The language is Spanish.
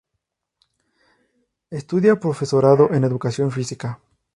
Estudia profesorado en educación física.